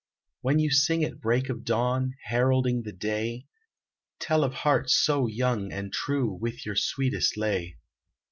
When you sing at break of dawn Heralding the day, Tell of hearts so young and true With your sweetest lay.